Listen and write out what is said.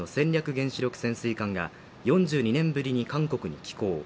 原子力潜水艦が４２年ぶりに韓国に寄港。